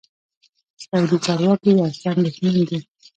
اسرائیلي چارواکي یو څه اندېښمن دي.